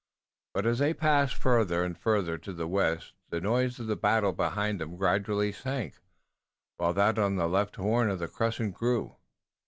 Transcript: But as they passed farther and farther to the west the noise of the battle behind them gradually sank, while that on the left horn of the crescent grew.